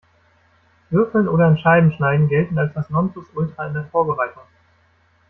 Würfeln oder in Scheiben schneiden gelten als das Nonplusultra in der Vorbereitung.